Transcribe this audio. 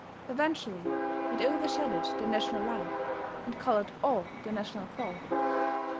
Eventually it over shadowed the national life, and coloured all the national thought.